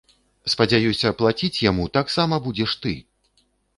Спадзяюся, плаціць яму таксама будзеш ты!!!.